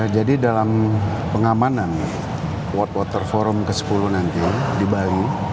jadi dalam pengamanan world water forum ke sepuluh nanti di bali